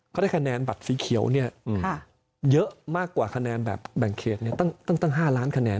เขาได้คะแนนบัตรสีเขียวเนี่ยเยอะมากกว่าคะแนนแบบแบ่งเขตตั้ง๕ล้านคะแนน